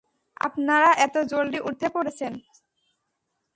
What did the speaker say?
আপনারা এত জলদি উঠে পড়েছেন।